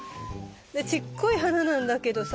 でちっこい花なんだけどさ。